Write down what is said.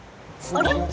あれ？